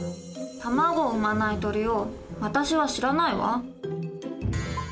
卵を産まない鳥を私は知らないわ。